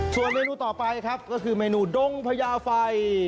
ส่วนเมนูต่อไปครับก็คือเมนูดงพญาไฟ